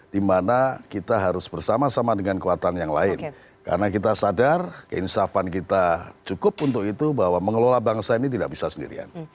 dimana kita harus bersama sama dengan kekuatan yang lain karena kita sadar keinsafan kita cukup untuk itu bahwa mengelola bangsa ini tidak bisa sendirian